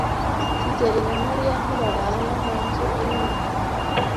kigeli na Mariya ntibabana mu nzu imwe.